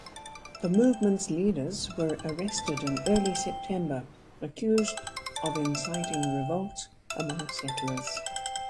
The movement's leaders were arrested in early September, accused of inciting revolt among settlers.